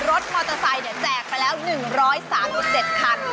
รถมอเตอร์ไซค์แจกไปแล้ว๑๓๗คัน